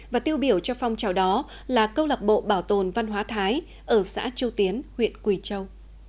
và tiêu biểu cho phong trào đó là câu lạc bộ bảo tồn văn hóa thái ở xã châu tiến huyện quỳ châu